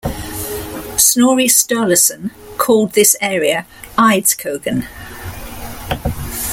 Snorri Sturlusson called this area Eidskogen.